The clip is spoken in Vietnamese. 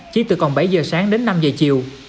chỉ từ còn bảy giờ sáng đến năm giờ chiều